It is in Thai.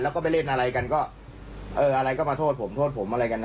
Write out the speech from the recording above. แล้วก็ไปเล่นอะไรกันก็เอออะไรก็มาโทษผมโทษผมอะไรกันอ่ะ